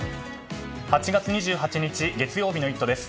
８月２８日、月曜日の「イット！」です。